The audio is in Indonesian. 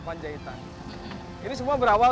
panjaitan ini semua berawal